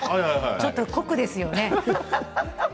ちょっと酷ですよね。